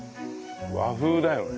和風だよね。